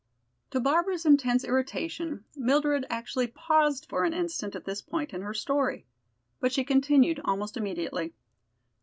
To Barbara's intense irritation, Mildred actually paused for an instant at this point in her story. But she continued almost immediately.